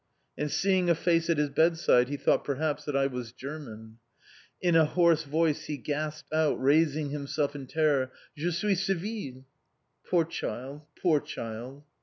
And seeing a face at his bedside he thought, perhaps, that I was German. In a hoarse voice he gasped out, raising himself in terror: "Je suis civil!" Poor child, poor child!